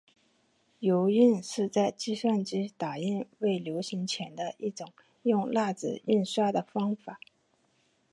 油印是在计算机打印未流行前的一种用蜡纸印刷的方法。